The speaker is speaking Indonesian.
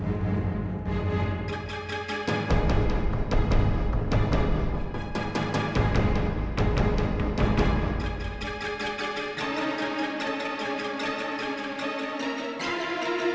bisa jadi bakal federal shipping val dropdown